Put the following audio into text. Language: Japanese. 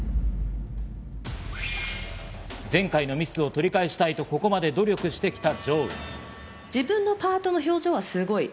前回のミスを取り返したいと、ここまで努力してきたＪＯ。